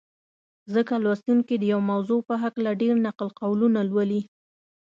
ځکه لوستونکي د یوې موضوع په هکله ډېر نقل قولونه لولي.